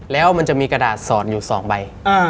แล้วมันจะมีกระดาษสอดอยู่๒ใบ